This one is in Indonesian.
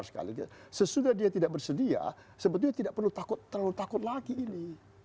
sesudah dia tidak bersedia sebetulnya tidak perlu takut terlalu takut lagi ini